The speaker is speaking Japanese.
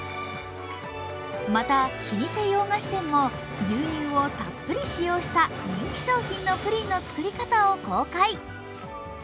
また、老舗洋菓子店も牛乳をたっぷり使用した人気商品のプリンの作り方を公開。